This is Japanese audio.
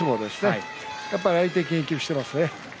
やっぱり相手を研究していますね。